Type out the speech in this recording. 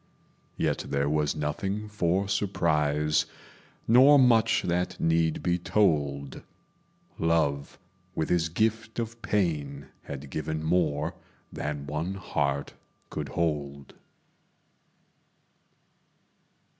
Yet there was nothing for surprise, Nor much that need be told: Love, with his gift of pain, had given More than one heart could hold.